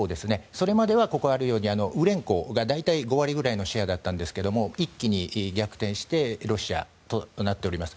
それまでは、ここにあるようウレンコが大体、５割くらいのシェアだったんですが一気に逆転してロシアとなっております。